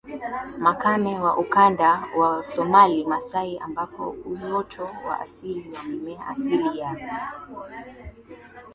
Makame wa ukanda wa Somali Maasai ambapo uoto wa asili wa mimea asilia ya